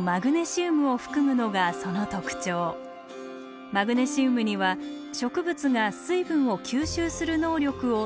マグネシウムには植物が水分を吸収する能力を低下させる性質があります。